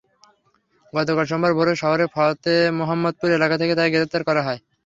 গতকাল সোমবার ভোরে শহরের ফতেমোহাম্মদপুর এলাকা থেকে তাঁকে গ্রেপ্তার করা হয়।